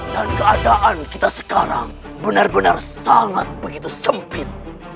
dan keadaan kita sekarang benar benar sangat begitu sempit